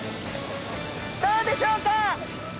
どうでしょうか？